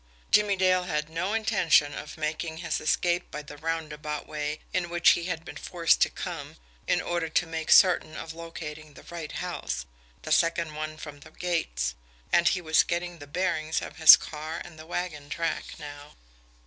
Jimmie Dale had no intention of making his escape by the roundabout way in which he had been forced to come in order to make certain of locating the right house, the second one from the gates and he was getting the bearings of his car and the wagon track now.